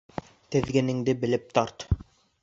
Теҙгенеңде белеп тарт.